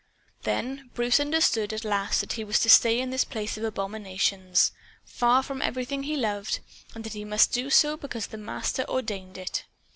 Then Bruce understood at last that he was to stay in this place of abominations, far from everything he loved; and that he must do so because the Master ordained it.